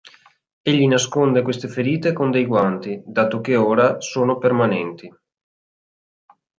Egli nasconde queste ferite con dei guanti, dato che ora sono permanenti.